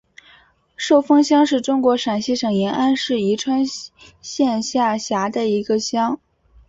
寿峰乡是中国陕西省延安市宜川县下辖的一个乡。